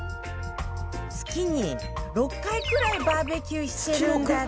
月に６回ぐらいバーベキューしてるんだって